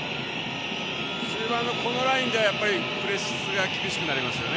中盤の、このラインでプレスが厳しくなりますね。